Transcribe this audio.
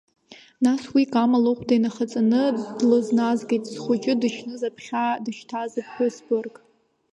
Нас уи Кама лыхәда инахаҵаны, длызназгеит зхәыҷы дышьны заԥхьа дышьҭаз аԥҳәыс бырг.